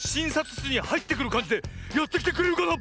しつにはいってくるかんじでやってきてくれるかな？